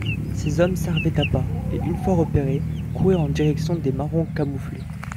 Ces hommes servaient d'appât, et une fois repérés, couraient en direction des Marrons camouflés.